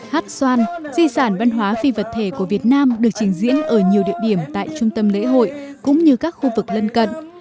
hát xoan di sản văn hóa phi vật thể của việt nam được trình diễn ở nhiều địa điểm tại trung tâm lễ hội cũng như các khu vực lân cận